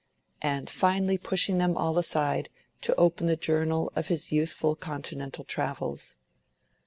and finally pushing them all aside to open the journal of his youthful Continental travels.